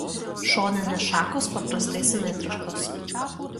Šoninės šakos paprastai simetriškos.